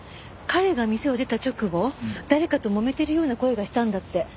彼が店を出た直後誰かともめてるような声がしたんだって。